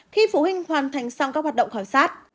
khi phụ huynh hoàn thành xong các hoạt động khảo sát